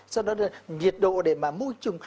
sau đó là nhiệt độ để mà môi trùng